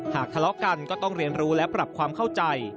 ทะเลาะกันก็ต้องเรียนรู้และปรับความเข้าใจ